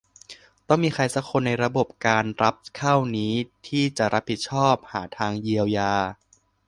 ต้องมีใครสักคนในระบบการรับเข้านี้ที่จะรับผิดชอบหาทางเยียวยา